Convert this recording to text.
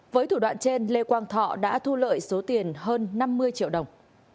với thủ đoạn trên lê quang thọ đã thu lợi số tiền hơn năm mươi triệu đồng